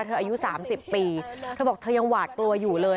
อายุ๓๐ปีเธอบอกเธอยังหวาดกลัวอยู่เลย